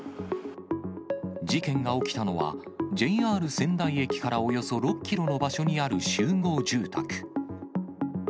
事件が起きたのは、ＪＲ仙台駅からおよそ６キロの場所にある集合住宅。